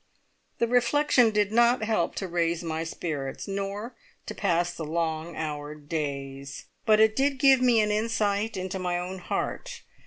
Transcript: The reflection did not help to raise my spirits, nor to pass the long houred days; but it did give me an insight into my own heart.